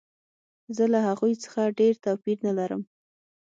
زه له هغوی څخه ډېر توپیر نه لرم